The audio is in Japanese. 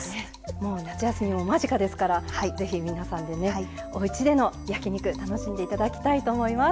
もう夏休みも間近ですからぜひ皆さんでねおうちでの焼き肉楽しんで頂きたいと思います。